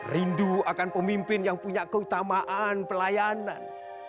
rindu akan pemimpin yang punya keutamaan pelayanan